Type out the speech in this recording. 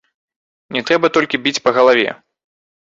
Не трэба толькі біць па галаве.